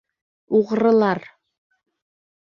Уғрылар!